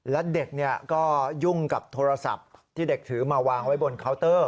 และเด็กก็ยุ่งกับโทรศัพท์ที่เด็กถือมาวางไว้บนเคาน์เตอร์